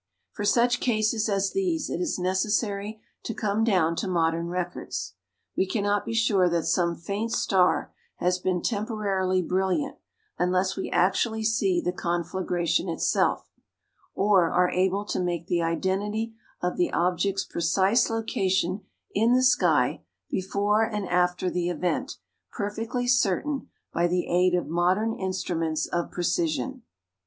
For such cases as these it is necessary to come down to modern records. We cannot be sure that some faint star has been temporarily brilliant, unless we actually see the conflagration itself, or are able to make the identity of the object's precise location in the sky before and after the event perfectly certain by the aid of modern instruments of precision.